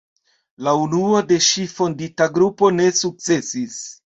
La unua de ŝi fondita grupo ne sukcesis.